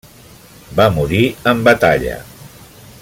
Va morir en batalla.